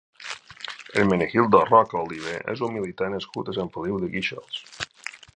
Hermenegildo Roca Oliver és un militar nascut a Sant Feliu de Guíxols.